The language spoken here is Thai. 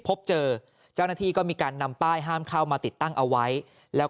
พบเจอเจ้าหน้าที่ก็มีการนำป้ายห้ามเข้ามาติดตั้งเอาไว้แล้วก็